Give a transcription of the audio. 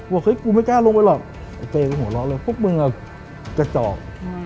ว่าเฮ้ยกูไม่กล้าลงไปหรอกเพ้ก็หัวเราะเลยพวกมึงอะกระจอก